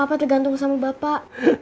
apa tergantung sama bapak